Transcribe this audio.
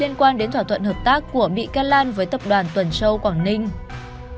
liên quan đến thỏa thuận hợp tác của bị can lan với tập đoàn tuần châu quảng ninh